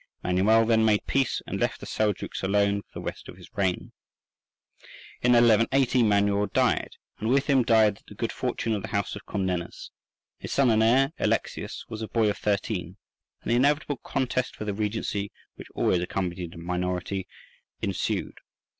Manuel then made peace, and left the Seljouks alone for the rest of his reign. In 1180 Manuel died, and with him died the good fortune of the House of Comnenus. His son and heir, Alexius, was a boy of thirteen, and the inevitable contest for the regency, which always accompanied a minority, ensued.